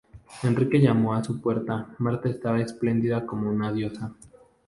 Enrique llamo a su puerta Marta estaba esplendida como una diosa